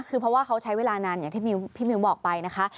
คือเพราะว่าเขาใช้เวลานานอย่างที่พี่มิวบอกไปนะคะ